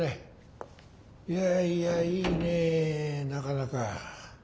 いやいやいいねなかなか。